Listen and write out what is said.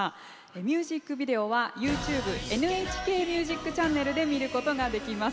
ミュージックビデオはＹｏｕＴｕｂｅＮＨＫＭＵＳＩＣチャンネルで見ることができます。